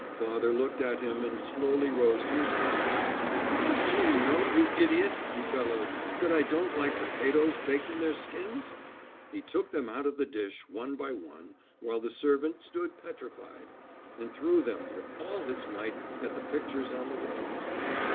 Father looked at him and slowly rose to his feet. 'Don't you know, you idiot,' he bellowed, 'that I don't like potatoes baked in their skins?' He took them out of the dish, one by one, while the servant stood petrified, and threw them with all his might at the pictures on the walls.